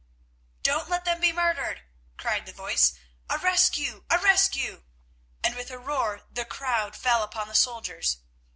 "Don't let them be murdered," cried the voice. "A rescue! a rescue!" and with a roar the crowd fell upon the soldiers.